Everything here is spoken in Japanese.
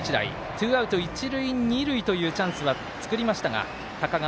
ツーアウト、一塁二塁というチャンスは作りましたが高川、